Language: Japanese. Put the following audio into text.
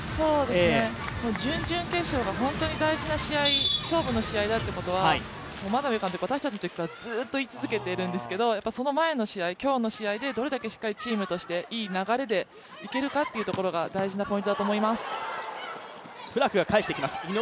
準々決勝が本当に大事な勝負の試合だということは眞鍋監督、私たちのときからずっと言い続けてるんですけどその前の試合、今日の試合でどれだけしっかりチームとしていい流れでいけるかっていうところが大事なポイントだと思います。